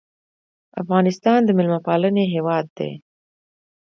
افغانستان د میلمه پالنې هیواد دی